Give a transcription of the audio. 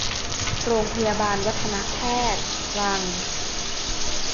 โรงพยาบาลวัฒนแพทย์ ตรัง